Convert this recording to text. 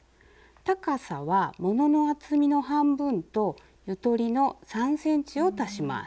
高さは物の厚みの半分とゆとりの３ｃｍを足します。